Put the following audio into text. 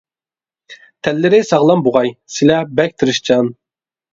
تەنلىرى ساغلام بوغاي، سىلە بەك تىرىشچان.